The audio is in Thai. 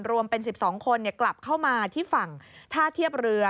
รวมเป็น๑๒คนกลับเข้ามาที่ฝั่งท่าเทียบเรือ